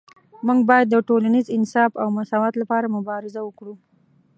موږ باید د ټولنیز انصاف او مساوات لپاره مبارزه وکړو